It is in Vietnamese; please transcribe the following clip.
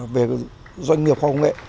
về doanh nghiệp khoa công nghệ